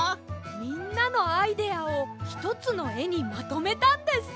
みんなのアイデアをひとつのえにまとめたんです。